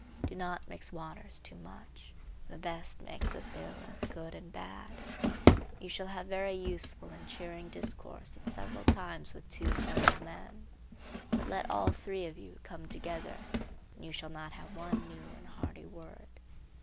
Do not mix waters too much. The best mix as ill as good and bad. You shall have very useful and cheering discourse at several times with two several men, but let all three of you come together and you shall not have one new and hearty word.